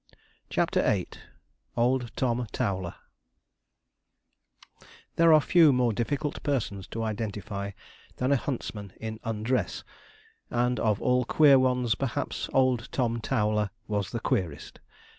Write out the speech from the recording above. CHAPTER VIII OLD TOM TOWLER There are few more difficult persons to identify than a huntsman in undress, and of all queer ones perhaps old Tom Towler was the queerest.